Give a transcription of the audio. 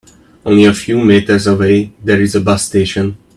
Only a few meters away there is a bus station.